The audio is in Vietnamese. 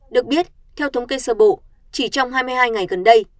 được biết theo thống kê sơ bộ chỉ trong hai mươi hai ngày gần đây